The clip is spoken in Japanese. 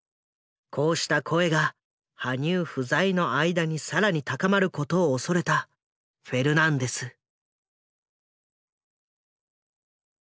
こうした声が羽生不在の間に更に高まることを恐れたフェルナンデス。